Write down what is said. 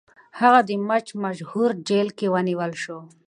هغه د مچ مشهور جیل کې ونیول شو.